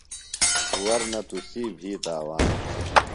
ورنہ تُسی بھی تاوان